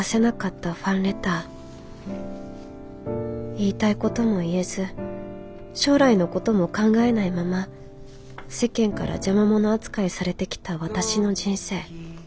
言いたいことも言えず将来のことも考えないまま世間から邪魔者扱いされてきた私の人生。